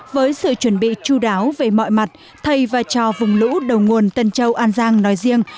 với sự chuẩn bị chú đáo về mọi mặt thầy và cho vùng lũ đầu nguồn tân châu an giang nói riêng